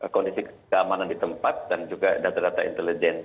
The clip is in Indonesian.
kondisi keamanan di tempat dan juga data data intelijen